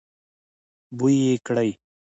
بوی يې کړی.